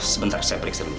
sebentar saya periksa dulu